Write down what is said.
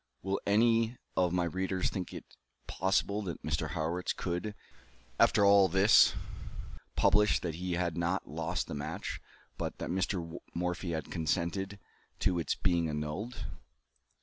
Will any of my readers think it possible that Mr. Harrwitz could, after all this, publish that "he had not lost the match, but that Mr. Morphy had consented to its being annulled?"